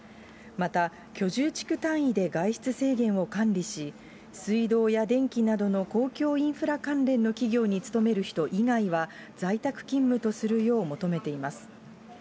また、居住地区単位で外出制限を管理し、水道や電気などの公共インフラ関連の企業に勤める人以外は、在宅勤務とするよう求めています。